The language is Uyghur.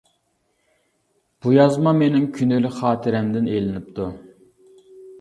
بۇ يازما مېنىڭ كۈندىلىك خاتىرەمدىن ئېلىنىپتۇ.